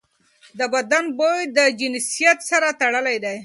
د بدن بوی د جنسیت سره تړلی دی.